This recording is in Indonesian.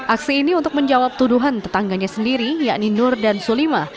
aksi ini untuk menjawab tuduhan tetangganya sendiri yakni nur dan sulima